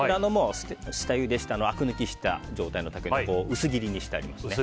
下ゆでしてあく抜きした状態のタケノコを薄切りにしてあります。